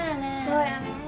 そうやね。